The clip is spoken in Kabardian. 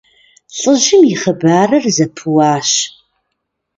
ЛӀыжьым и хъыбарыр зэпыуащ.